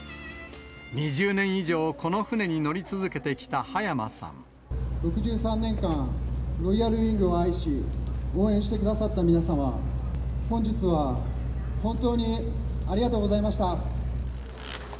２０年以上、６３年間、ロイヤルウイングを愛し、応援してくださった皆様、本日は本当にありがとうございました。